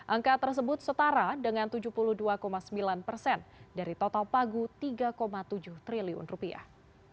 angka tersebut setara dengan tujuh puluh dua sembilan persen dari total pagu tiga tujuh triliun rupiah